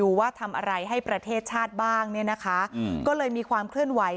ว่าทำอะไรให้ประเทศชาติบ้างเนี่ยนะคะก็เลยมีความเคลื่อนไหว